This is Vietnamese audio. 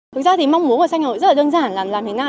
thực ra thì mong muốn của xanh hà nội rất là đơn giản là làm thế nào